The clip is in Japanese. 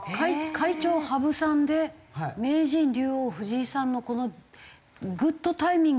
会長羽生さんで名人竜王藤井さんのこのグッドタイミングに。